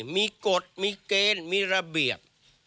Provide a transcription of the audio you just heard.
มีกฎมีเกณฑ์มีระเบียบ